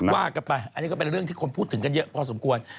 ว่ากันไปอันนี้ก็เป็นเรื่องที่คนพูดถึงกันเยอะพอสมควร